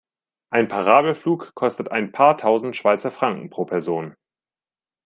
Ein Parabelflug kostet ein paar tausend Schweizer Franken pro Person.